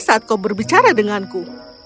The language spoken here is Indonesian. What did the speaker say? saat kau berbicara denganku